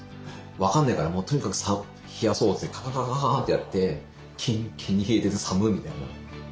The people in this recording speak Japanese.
分かんないからもうとにかく冷やそうってカカカカカってやってキンキンに冷えてて「さむ」みたいな。